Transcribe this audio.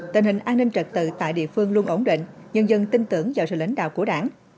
tình hình an ninh trật tự tại địa phương luôn ổn định nhân dân tin tưởng vào sự lãnh đạo của đảng